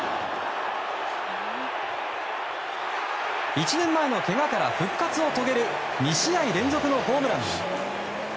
１年前のけがから復活を遂げる２試合連続のホームラン。